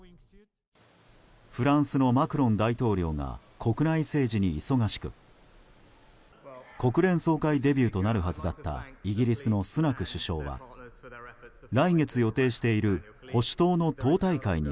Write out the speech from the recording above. フランスのマクロン大統領が国内政治に忙しく国連総会デビューとなるはずだったイギリスのスナク首相は来月予定している保守党の党大会に